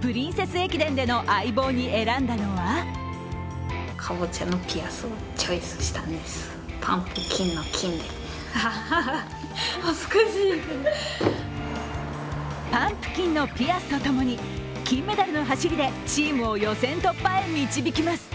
プリンセス駅伝での相棒に選んだのはパンプキンのピアスとともに金メダルの走りでチームを予選突破へ導きます。